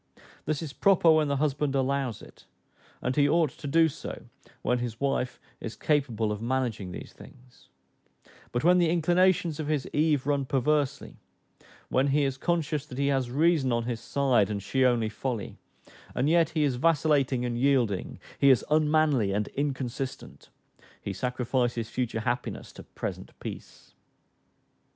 This is proper, when the husband allows it; and he ought to do so, when his wife is capable of managing these things; but when the inclinations of his Eve run perversely, when he is conscious that he has reason on his side, and she only folly, and yet he is vacillating and yielding, he is unmanly and inconsistent; he sacrifices future happiness to present peace.